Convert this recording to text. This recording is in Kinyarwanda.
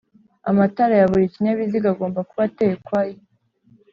Amatara ya buri kinyabiziga agomba kuba ateye ukwayo